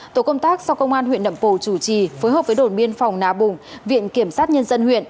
tổ công tác do công an huyện nậm pồ chủ trì phối hợp với đồn biên phòng nà bùng viện kiểm sát nhân dân huyện